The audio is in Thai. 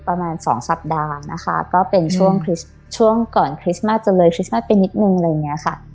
ประมาณสองสัปดาห์นะคะก็เป็นช่วงช่วงก่อนคริสต์มาสจะเลยคริสต์มาสไปนิดนึงเลยเนี้ยค่ะ